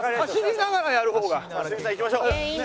良純さんいきましょう。